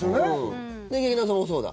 で、劇団さんもそうだ。